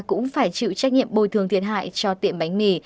ngoài ra cũng phải chịu trách nhiệm bồi thường thiệt hại cho tiệm bánh mì